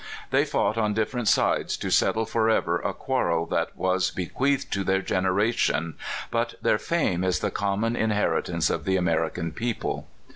They fought on different sides to settle for ever a quarrel that was bequeathed to their gener ation, but their fame is the common inheritance of the American people.